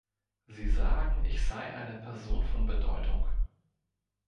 Sie sagen, ich sei eine Person von Bedeutung.